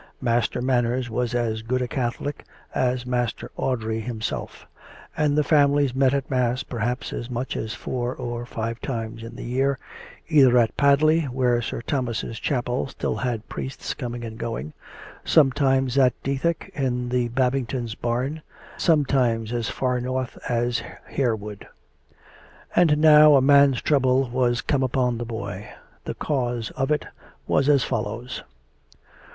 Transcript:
Master Manners was as good a Catholic as Master Audrey himself; and the families met at mass perhaps as much as four or five times in the year, either at Padley, where Sir Thomas' chapel still had priests coming and going; sometimes at Dethick in the Babingtons' barn; sometimes as far north as Hare wood. And now a man's trouble was come upon the boy. The cause of it was as follows.